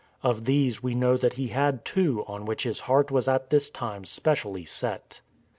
Of these we know that he had two on which his heart was at this time specially set.